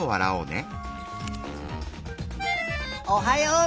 おはよう。